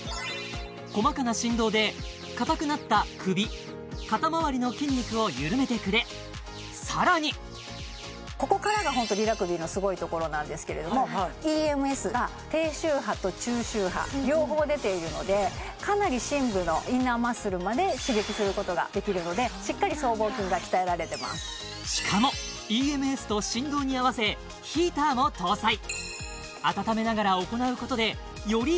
細かな振動でさらにここからがホントリラクビーのすごいところなんですけれどもＥＭＳが低周波と中周波両方出ているのでかなり深部のインナーマッスルまで刺激することができるのでしっかり僧帽筋が鍛えられてますしかもＥＭＳと振動に合わせヒーターも搭載ああきた！